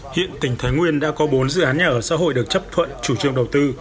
hiện tỉnh thái nguyên đã có bốn dự án nhà ở xã hội được chấp thuận chủ trương đầu tư